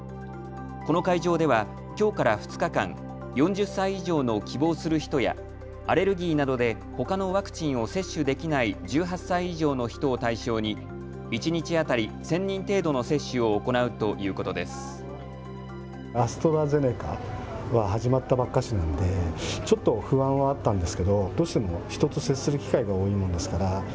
この会場では、きょうから２日間、４０歳以上の希望する人やアレルギーなどでほかのワクチンを接種できない１８歳以上の人を対象に一日当たり１０００人程度の接種を行うということです。